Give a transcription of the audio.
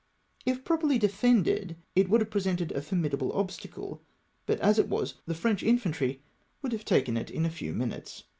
If properly de fended, it would have presented a formidable obstacle, but as it was, the French infantry would have taken it in a few minutes.